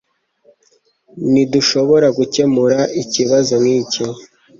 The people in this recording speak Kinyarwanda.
Ntidushobora gukemura ikibazo nkiki